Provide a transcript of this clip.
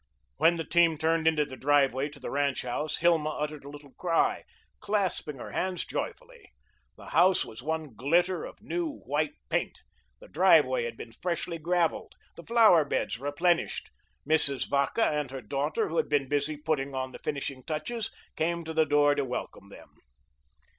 When the team turned into the driveway to the ranch house, Hilma uttered a little cry, clasping her hands joyfully. The house was one glitter of new white paint, the driveway had been freshly gravelled, the flower beds replenished. Mrs. Vacca and her daughter, who had been busy putting on the finishing touches, came to the door to welcome them.